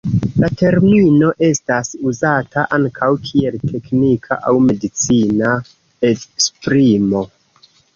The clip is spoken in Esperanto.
La termino estas uzata ankaŭ kiel teknika aŭ medicina esprimo.